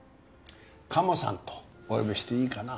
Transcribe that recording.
鴨さんとお呼びしていいかな？